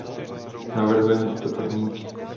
Navrhujeme tyto podmínky.